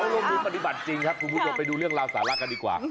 รวมถึงปฏิบัติจริงครับคุณผู้ชมไปดูเรื่องราวสาระกันดีกว่า